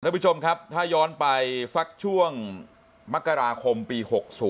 คุณผู้ชมครับถ้าย้อนไปสักช่วงมกราคมปี๖๐